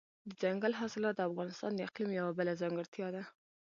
دځنګل حاصلات د افغانستان د اقلیم یوه بله ځانګړتیا ده.